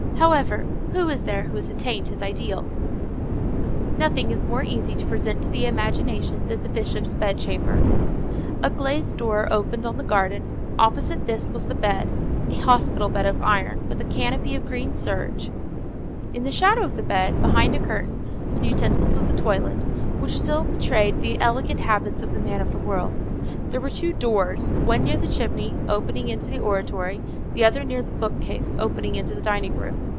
However, who is there who has attained his ideal? Nothing is more easy to present to the imagination than the Bishop's bedchamber. A glazed door opened on the garden; opposite this was the bed,—a hospital bed of iron, with a canopy of green serge; in the shadow of the bed, behind a curtain, were the utensils of the toilet, which still betrayed the elegant habits of the man of the world: there were two doors, one near the chimney, opening into the oratory; the other near the bookcase, opening into the dining room.